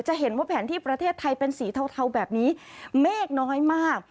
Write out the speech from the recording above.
จะเห็นว่าแผนที่ประเทศไทยเป็นสีเทาแบบนี้เมฆน้อยมาก